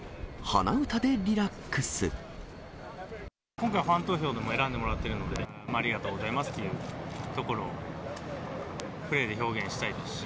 今回、ファン投票でも選んでもらっているので、ありがとうございますというところをプレーで表現したいですし。